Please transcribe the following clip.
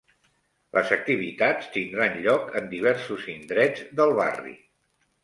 Les activitats tindran lloc en diversos indrets del barri.